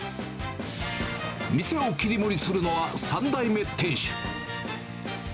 店を切り盛りするのは３代目店主。